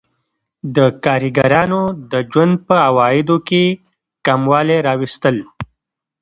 د کارګرانو د ژوند په عوایدو کې کموالی راوستل